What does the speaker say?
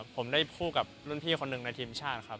ผมได้คู่กับรุ่นพี่คนหนึ่งในทีมชาติครับ